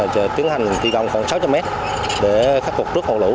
thì tiến hành thi công còn sáu trăm linh mét để khắc phục trước hồ lũ